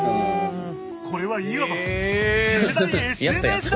これはいわば次世代ＳＮＳだ！